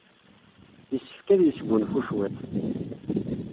Yessefk ad yesgunfu cwiṭ.